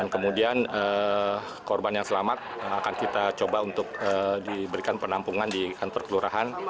kemudian korban yang selamat akan kita coba untuk diberikan penampungan di kantor kelurahan